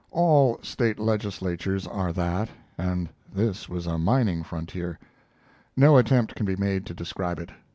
All State legislatures are that, and this was a mining frontier. No attempt can be made to describe it.